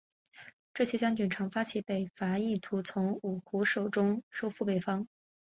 这些将军常发起北伐意图从五胡手中收复北方。